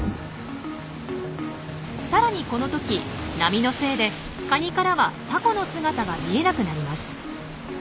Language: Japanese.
さらにこの時波のせいでカニからはタコの姿が見えなくなります。